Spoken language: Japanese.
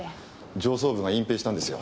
上層部が隠蔽したんですよ。